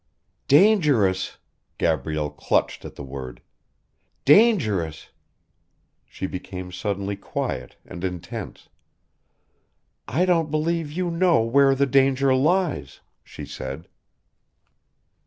"Dangerous..." Gabrielle clutched at the word. "Dangerous!" She became suddenly quiet and intense. "I don't believe you know where the danger lies," she said.